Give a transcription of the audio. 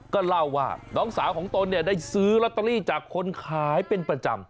ก็เล่าว่าน้องสาวของตนเนี่ยได้ซื้อลอตเตอรี่จากคนขายเป็นประจำ